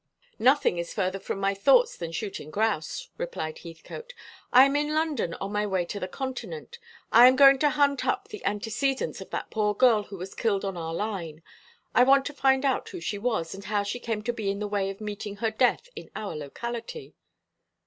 "Nothing is further from my thoughts than shooting grouse," replied Heathcote. "I am in London on my way to the Continent. I am going to hunt up the antecedents of that poor girl who was killed on our line; I want to find out who she was and how she came to be in the way of meeting her death in our locality."